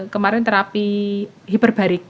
kemarin terapi hiperbarik